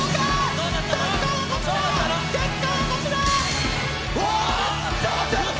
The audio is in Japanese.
結果はこちら！